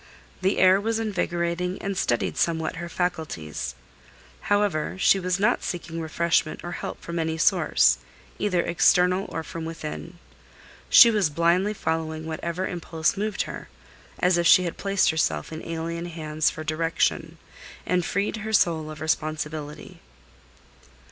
The air was invigorating and steadied somewhat her faculties. However, she was not seeking refreshment or help from any source, either external or from within. She was blindly following whatever impulse moved her, as if she had placed herself in alien hands for direction, and freed her soul of responsibility.